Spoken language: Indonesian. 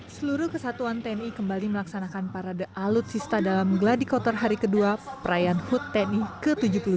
seluruh kesatuan tni kembali melaksanakan parade alutsista dalam gladi kotor hari kedua perayaan hut tni ke tujuh puluh dua